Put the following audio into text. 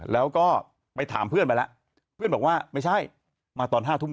แล้วก็ไปถามเพื่อนมาแล้วเพื่อนบอกว่าไม่ใช่มาตอน๕ทุ่ม